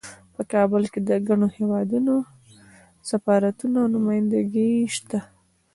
په کابل کې د ګڼو هیوادونو سفارتونه او نمایندګۍ شته